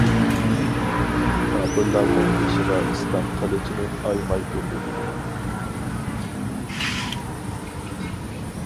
كاپىرلارنىڭ بېشىغا ئىسلام قىلىچىنى ئايىماي ئۇردۇق.